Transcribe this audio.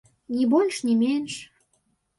Ні больш ні менш.